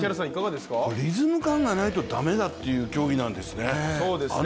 リズム感がないと駄目だという競技なんですね。